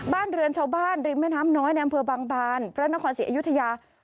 บ้านเรือนชาวบ้านริมแม่น้ำน้อยในอำเภอบางบานพระนครศรีอยุธยา